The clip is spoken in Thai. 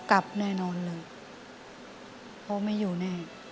กลับแน่นอนเลยเพราะไม่อยู่แน่